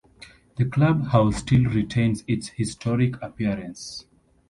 The Club house still retains its historic appearance.